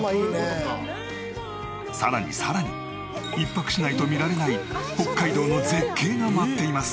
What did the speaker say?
さらにさらに１泊しないと見られない北海道の絶景が待っています！